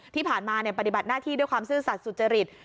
ที่ผ่านมาปฏิบัติหน้าที่ด้วยความซื่อสรรค์สุจริง